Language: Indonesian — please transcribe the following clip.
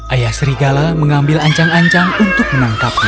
ayah serigala mengambil ancang ancang untuk menangkapnya